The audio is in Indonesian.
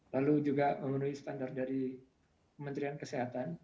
lalu juga memenuhi standar dari kementerian kesehatan